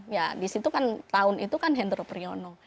ya disitu kan tahun itu kan hendro priyono